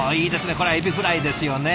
これはエビフライですよね！